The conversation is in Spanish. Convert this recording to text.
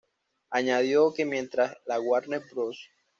Añadió que mientras la Warner Bros.